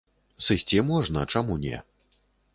Сысці можна, чаму не.